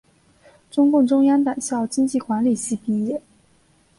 中共中央党校经济管理系毕业。